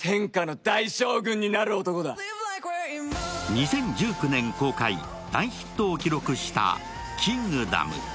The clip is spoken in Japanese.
２０１９年公開、大ヒットを記録した「キングダム」。